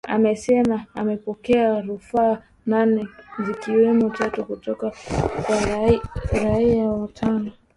amesema amepokea rufaa nane zikiwemo tatu kutoka kwa raia watano